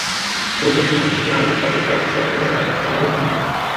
রিটের শুনানি শেষে আদালত তাঁদের প্রার্থিতা বাতিলের আদেশ অবৈধ ঘোষণা করেছেন।